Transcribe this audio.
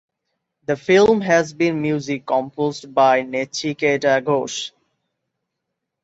The film has been music composed by Nachiketa Ghosh.